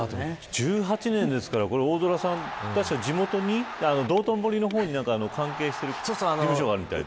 １８年ですから大空さん、地元に道頓堀の方に関係している事務所があるみたいで。